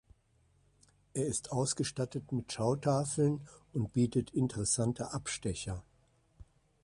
Er ist ausgestattet mit Schautafeln und bietet interessante Abstecher.